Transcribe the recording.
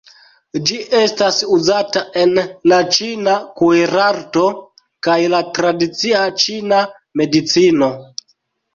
Ĝi estas uzata en la ĉina kuirarto kaj la tradicia ĉina medicino.